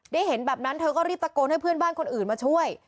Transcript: เห็นแบบนั้นเธอก็รีบตะโกนให้เพื่อนบ้านคนอื่นมาช่วย